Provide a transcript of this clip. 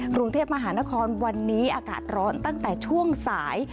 กรุงเทพมหานครวันนี้อากาศร้อนตั้งแต่ช่วงสาย